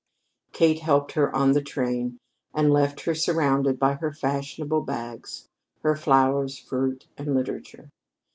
Kate helped her on the train, and left her surrounded by her fashionable bags, her flowers, fruit, and literature.